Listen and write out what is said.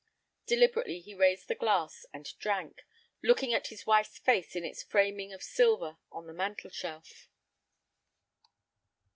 Deliberately he raised the glass and drank, looking at his wife's face in its framing of silver on the mantel shelf.